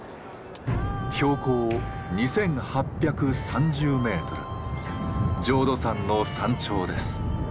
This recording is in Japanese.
標高２，８３０ｍ浄土山の山頂です。